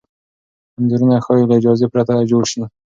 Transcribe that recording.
انځورونه ښايي له اجازې پرته جوړ شي.